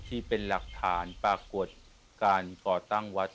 ที่เป็นหลักฐานปรากฏการก่อตั้งวัด